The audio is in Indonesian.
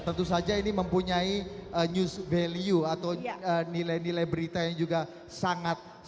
tentu saja ini mempunyai news value atau nilai nilai berita yang juga sangat